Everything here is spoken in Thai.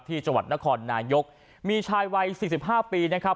ที่จนครนายกมีชายวัย๔๕ปีนะครับ